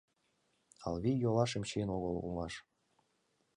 Алвий йолашым чиен огыл улмаш.